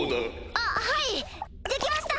あはいできました。